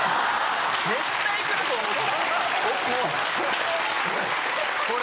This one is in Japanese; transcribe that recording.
絶対来ると思った。